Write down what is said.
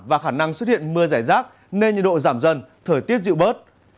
và khả năng xuất hiện mưa rải rác nên nhiệt độ giảm dần thời tiết dịu bớt